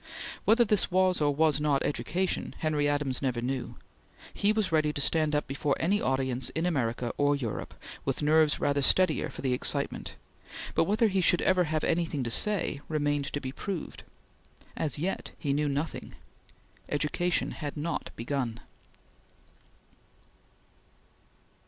Whether this was, or was not, education, Henry Adams never knew. He was ready to stand up before any audience in America or Europe, with nerves rather steadier for the excitement, but whether he should ever have anything to say, remained to be proved. As yet he knew nothing. Education had not begun.